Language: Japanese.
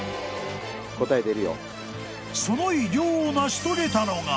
［その偉業を成し遂げたのが］